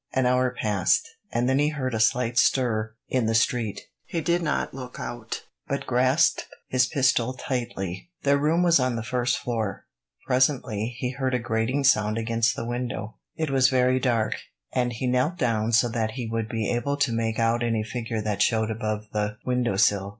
An hour passed, and then he heard a slight stir in the street. He did not look out, but grasped his pistol tightly. Their room was on the first floor. Presently, he heard a grating sound against the window. It was very dark, and he knelt down so that he would be able to make out any figure that showed above the windowsill.